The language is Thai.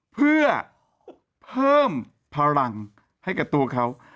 เพื่อเพิ่มพลังให้กับตัวเขา